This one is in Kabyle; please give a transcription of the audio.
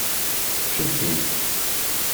Ṭṭfet-t-id!